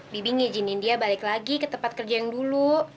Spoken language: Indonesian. bibi ngijinin dia balik lagi ke tempat kerja yang dulu